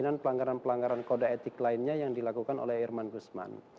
dan kemungkinan pelanggaran kode etik lainnya yang dilakukan oleh irman guzman